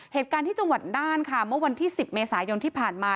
เหตุการณ์ที่จังหวัดน่านค่ะเมื่อวันที่๑๐เมษายนที่ผ่านมา